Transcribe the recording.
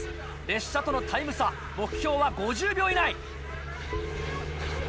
列車とのタイム差目標は５０秒以内。